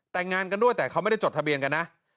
แต่งงานกันด้วยแต่เขาไม่ได้จดทะเบียนกันนะ